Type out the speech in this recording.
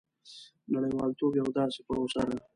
• نړیوالتوب یوه داسې پروسه ده.